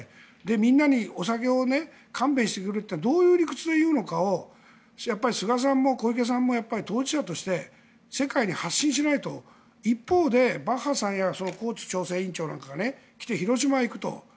みんな、お酒を勘弁してくれとどういう理屈で言うのか菅さんも小池さんも当事者として世界に発信しないと一方でバッハさんやコーツ調整委員長なんかが来て広島へ行くと。